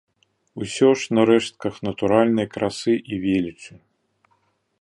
Усё ж на рэштках натуральнай красы і велічы.